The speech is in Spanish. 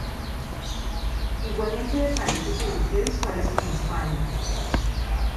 Igualmente de países europeos tales como España.